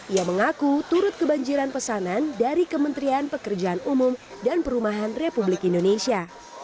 ia mengaku turut kebanjiran pesanan dari kementerian pekerjaan umum dan perumahan republik indonesia